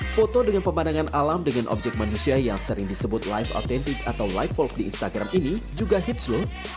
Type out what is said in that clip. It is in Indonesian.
foto dengan pemandangan alam dengan objek manusia yang sering disebut live authentic atau live volk di instagram ini juga hits loh